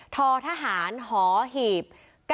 ททหารหอหีบ๙